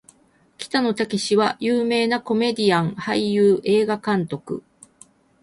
北野武は有名なコメディアン・俳優・映画監督